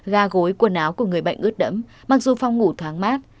gà gối quần áo của người bệnh ướt đẫm mặc dù phong ngủ thoáng mát